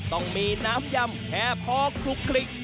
ต้องมีน้ำยำแค่พอคลุกคลิก